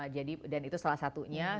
jadi dan itu salah satunya